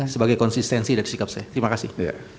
sebagai konsistensi dari sikap saya terima kasih